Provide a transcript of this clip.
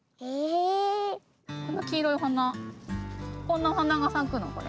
きいろいおはなこんなおはながさくのこれ。